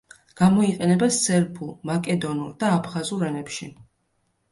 გამოიყენება სერბულ, მაკედონურ და აფხაზურ ენებში.